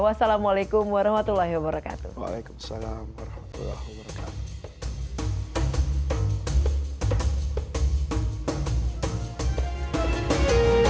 wassalamualaikum warahmatullahi wabarakatuh